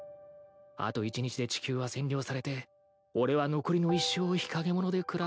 あと１日で地球は占領されて俺は残りの一生を日陰者で暮らすのだ。